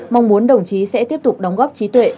mong muốn đồng chí sẽ tiếp tục đóng góp trí tuệ